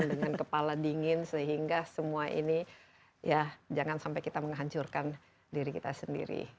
dengan kepala dingin sehingga semua ini ya jangan sampai kita menghancurkan diri kita sendiri